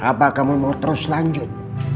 apa kamu mau terus lanjut